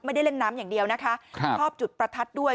เล่นน้ำอย่างเดียวนะคะชอบจุดประทัดด้วย